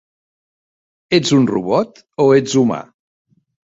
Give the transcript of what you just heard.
Ets un robot o ets humà?